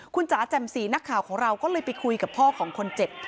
คุณจ๋าแจ่มสีนักข่าวของเราก็เลยไปคุยกับพ่อของคนเจ็บ